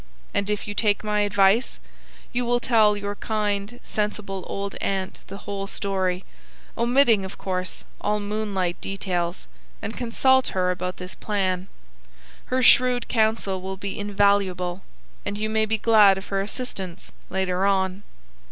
And if you take my advice, you will tell your kind, sensible old aunt the whole story, omitting of course all moonlight details, and consult her about this plan. Her shrewd counsel will be invaluable, and you may be glad of her assistance later on."